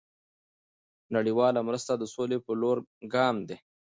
دเงินบาทไทย نړیوال مرسته د سولې په لور ګام دی.